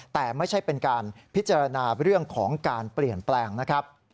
แต่ไม่ใช่เป็นการพิจารณาเรื่องของการเปลี่ยนแปลงนะครับ